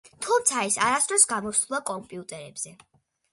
თუმცა ის არასდროს გამოსულა კომპიუტერებზე.